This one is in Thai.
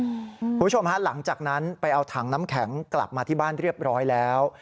คุณผู้ชมฮะหลังจากนั้นไปเอาถังน้ำแข็งกลับมาที่บ้านเรียบร้อยแล้ว